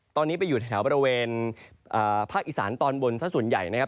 ตอนนี้ไปอยู่แถวบริเวณภาคอีสานตอนบนซะส่วนใหญ่นะครับ